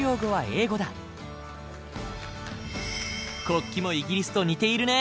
国旗もイギリスと似ているね。